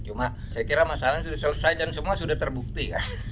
cuma saya kira masalahnya sudah selesai dan semua sudah terbukti